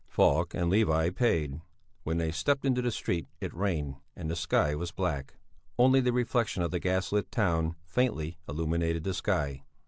Falk and Levi paid. When they stepped into the street it rained and the sky was black; only the reflexion of the gas lit town faintly illuminated the sky.